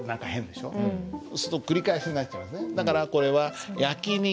すると繰り返しになっちゃいますね？